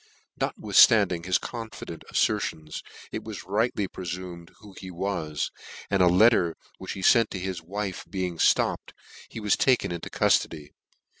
Notwithftandino; his confident afiertions it was rightly prefumed who he was, and a letter which he fent to his wife being (lopped, he was taken into cuftody.